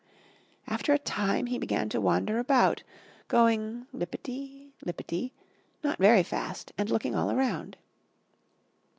After a time he began to wander about, going lippity lippity not very fast and looking all around.